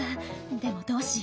でもどうしよう。